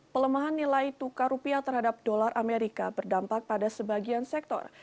pelemahan nilai tukar rupiah terhadap dolar amerika berdampak pada sebagian sektor